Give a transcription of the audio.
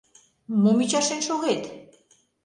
— Мом ӱчашен шогет?